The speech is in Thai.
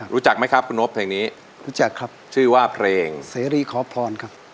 รู้จักไหมครับคุณนบเพลงนี้ชื่อว่าเพลงเซรีย์ขอพรครับ